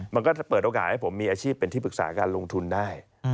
มันก็จะเปิดโอกาสให้ผมมีอาชีพเป็นที่ปรึกษาการลงทุนได้